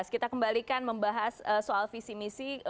kita kembalikan membahas soal visi misi